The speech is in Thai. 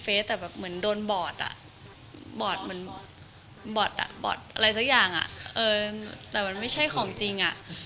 เอ่อแต่มันไม่ใช่ของจริงอ่ะ